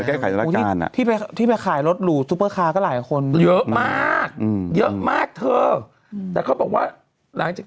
แก้ไขสถานการณ์อ่ะที่ยิ่งที่ไพร้ขายลดตั๋วยังมากเธอแต่ก็บอกว่าหลังจาก